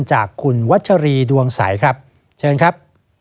จากคุณวัชรีดวงใสครับเชิญครับ